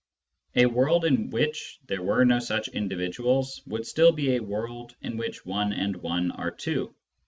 A world in which there were no such individuals would still be a world in which one and one are two.